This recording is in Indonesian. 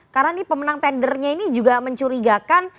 karena pemenang tendernya ini juga mencurigakan